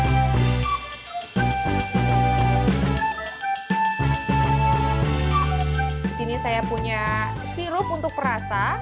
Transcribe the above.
disini saya punya sirup untuk perasa